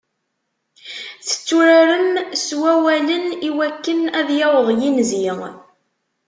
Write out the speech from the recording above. Tetturarem s wawalen iwakken ad yaweḍ yinzi.